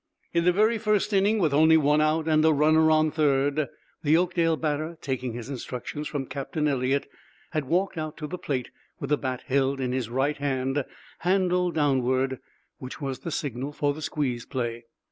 In the very first inning, with only one out and a runner on third, the Oakdale batter, taking his instructions from Captain Eliot, had walked out to the plate with the bat held in his right hand, handle downward, which was the signal for the squeeze play.